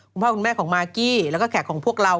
คุณพ่อคุณแม่ของมากกี้แล้วก็แขกของพวกเรา